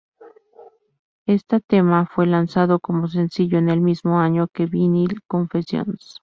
Esta tema fue lanzado como sencillo en el mismo año que "Vinyl Confessions".